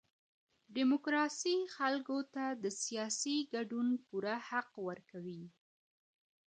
ډيموکراسي خلګو ته د سياسي ګډون پوره حق ورکوي.